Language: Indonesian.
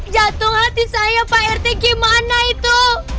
jatuh hati saya pak rt gimana itu